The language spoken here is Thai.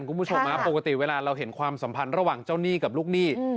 คุณผู้ชมปกติเวลาเราเห็นความสัมพันธ์ระหว่างเจ้าหนี้กับลูกหนี้